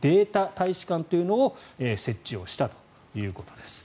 大使館というのを設置したということです。